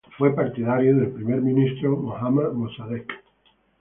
Fue partidario del Primer ministro Mohammad Mosaddeq.